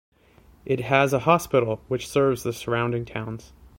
It has a hospital, which serves the surrounding towns.